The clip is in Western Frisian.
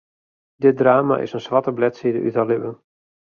Dit drama is in swarte bledside út har libben.